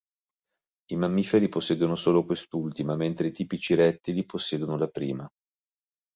I mammiferi possiedono solo quest'ultima, mentre i tipici rettili possiedono la prima.